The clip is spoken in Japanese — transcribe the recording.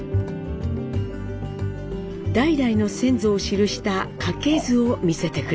代々の先祖を記した家系図を見せてくれました。